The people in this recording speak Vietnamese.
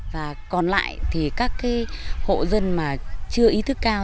và còn lại thì các hộ dân mà chưa ý thức cao